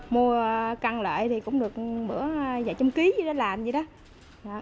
mua căng lợi thì cũng được mỗi giải trăm ký làm vậy đó